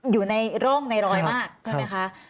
อยู่ในร่องในรอยมากใช่ไหมคะ